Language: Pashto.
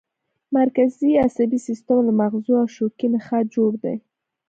مرکزي عصبي سیستم له مغزو او شوکي نخاع جوړ دی